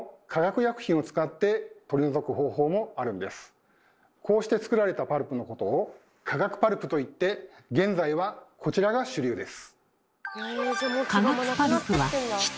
実はこうして作られたパルプのことを「化学パルプ」といって現在はこちらが主流です。